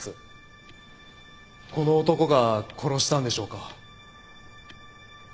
この男が殺したんでしょうか。